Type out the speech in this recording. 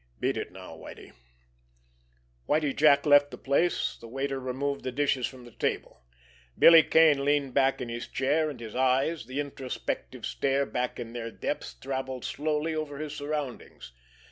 Beat it now, Whitie." Whitie Jack left the place. The waiter removed the dishes from the table. Billy Kane leaned back in his chair, and his eyes, the introspective stare back in their depths, travelled slowly over his surroundings.